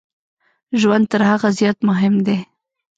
ژوند تر هغه زیات مهم دی.